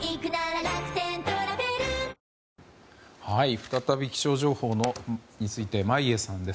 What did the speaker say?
再び、気象情報について眞家さんです。